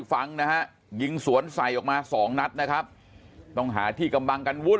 ฟังนะฮะยิงสวนใส่ออกมาสองนัดนะครับต้องหาที่กำบังกันวุ่น